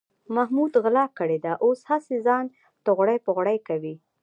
محمود غلا کړې ده، اوس هسې ځان تغړې پغړې کوي.